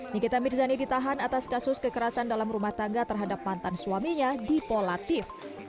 nikita mirzani ditahan atas kasus kekerasan dalam rumah tangga terhadap mantan suaminya di pol latif